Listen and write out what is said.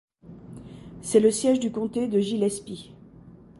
C'est le siège du comté de Gillespie.